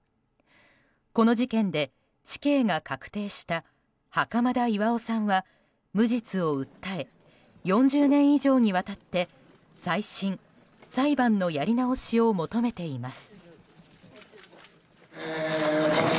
この事件で死刑が確定した袴田巌さんは無実を訴え４０年以上にわたって再審、裁判のやり直しを求めています。